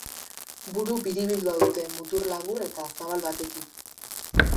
Buru biribildua dute mutur labur eta zabal batekin.